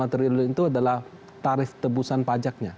satu ratus enam puluh lima triliun itu adalah tarif tebusan pajaknya